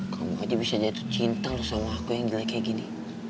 kamu aja bisa jatuh cinta sama aku yang jelek kayak gini